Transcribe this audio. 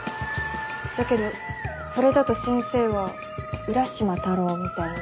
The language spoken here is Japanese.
だけどそれだと先生は浦島太郎みたいに。